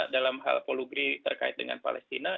dalam hal polugri terkait dengan palestina